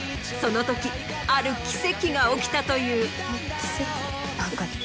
そのときある奇跡が起きたという。